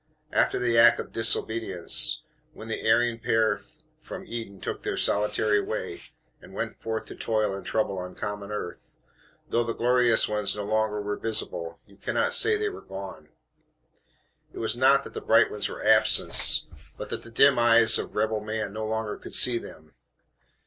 After the Act of Disobedience, when the erring pair from Eden took their solitary way, and went forth to toil and trouble on common earth though the Glorious Ones no longer were visible, you cannot say they were gone. It was not that the Bright Ones were absent, but that the dim eyes of rebel man no longer could see them.